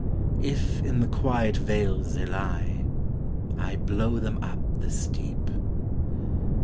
If in the quiet vales they lie I blow them up the steep.